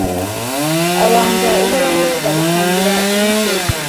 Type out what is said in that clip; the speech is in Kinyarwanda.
abanga Uhoraho bagatangira kumukeza